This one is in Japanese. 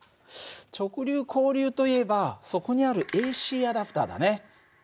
直流交流といえばそこにあるＡＣアダプターだね。